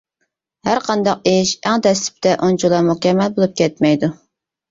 ھەر قانداق ئىش ئەڭ دەسلىپىدە ئۇنچىۋالا مۇكەممەل بولۇپ كەتمەيدۇ.